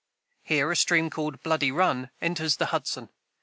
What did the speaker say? Here a stream called Bloody Run enters the Hudson.